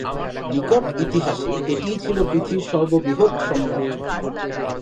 নিকট ইতিহাসে এটিই ছিল পৃথিবীর সর্ববৃহৎ সম্রাজ্য।